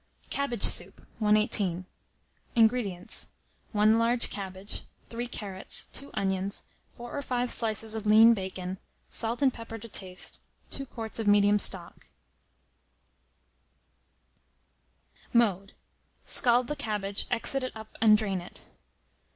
CABBAGE SOUP. 118. INGREDIENTS. 1 large cabbage, 3 carrots, 2 onions, 4 or 5 slices of lean bacon, salt and pepper to taste, 2 quarts of medium stock No. 105. Mode. Scald the cabbage, exit it up and drain it.